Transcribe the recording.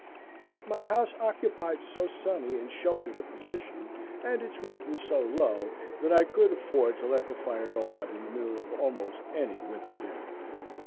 But my house occupied so sunny and sheltered a position, and its roof was so low, that I could afford to let the fire go out in the middle of almost any winter day.